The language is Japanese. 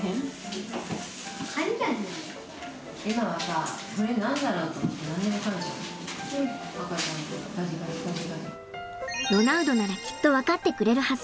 ロナウドならきっと分かってくれるはず。